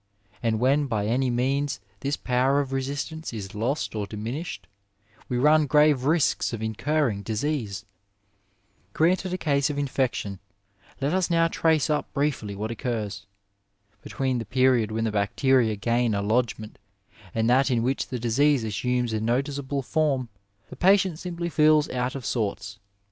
And when by any means this power of resistance is lost or diminished, we run grave risks of^ incurring disease. Granted a case of infection, let us now trace up briefly what occm^. Between the period when the bacteria gain a lodgment and that in which the disease assumes a notice able form, the patient simply feels out of sorts.